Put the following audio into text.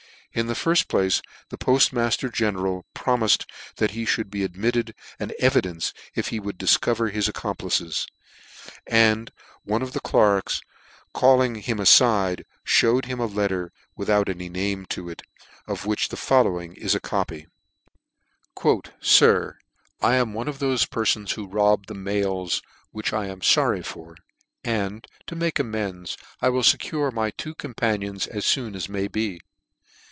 In the firft place the Poll Mailer General pro mifed, that he fhould be admitted an evidence if he would difcover his accomplices ; and one of the clerks calling him afide, fhewed him a letter, without any name to it, of which the following is a copy : "SIR. HAWKINS and SIMPSON /*r Robbery. "SIR, " I am one of tiofe perfons who robbed the " mails, which I am forry for ; and, to make <f amends, I vill fecure my two companions as " foon as may* be.